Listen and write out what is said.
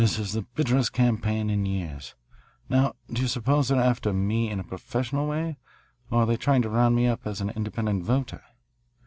"This is the bitterest campaign in years. Now, do you suppose that they are after me in a professional way or are they trying to round me up as an independent voter?"